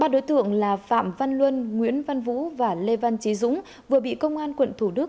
ba đối tượng là phạm văn luân nguyễn văn vũ và lê văn trí dũng vừa bị công an quận thủ đức